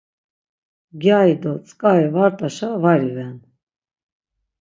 Gyari do tzǩari var t̆aşa var iven.